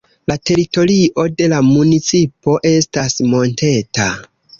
La teritorio de la municipo estas monteta.